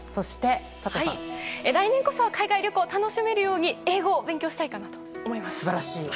来年こそ海外旅行楽しめるように英語を勉強したいかなと思います。